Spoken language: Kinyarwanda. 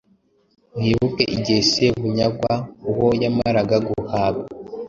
Mwibuke igihe Sebunyagwa uwo yamaraga guhaga